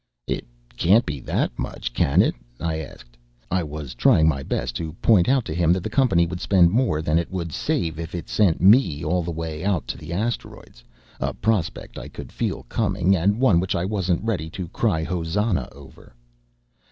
"It can't be that much, can it?" I asked. I was trying my best to point out to him that the company would spend more than it would save if it sent me all the way out to the asteroids, a prospect I could feel coming and one which I wasn't ready to cry hosannah over.